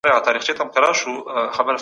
قانون باید په ټولو یو شان تطبیق سي.